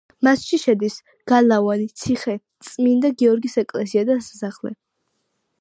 მასში შედის: გალავანი, ციხე, წმინდა გიორგის ეკლესია და სასახლე.